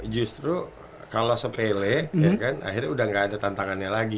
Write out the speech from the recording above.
justru kalau sepele akhirnya udah gak ada tantangannya lagi